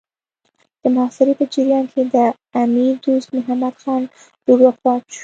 د محاصرې په جریان کې د امیر دوست محمد خان لور وفات شوه.